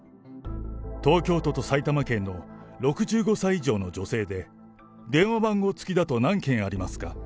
東京都と埼玉県の６５歳以上の女性で、電話番号付きだと何件ありますか？